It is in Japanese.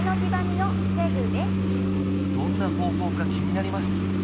どんな方法か気になります！